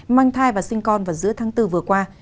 mang thai và sinh con vào giữa tháng bốn vừa qua